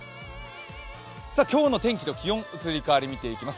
今日の天気と気温の移り変わりを見ていきます